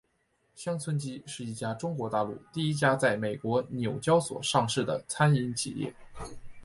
乡村基是一家中国大陆第一家在美国纽交所上市的餐饮企业。